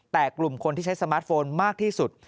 แต่กลุ่มคนที่ใช้สมาร์ทโฟนมากที่สุด